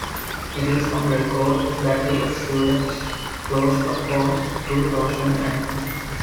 It is on record that he executed close upon two thousand enamels.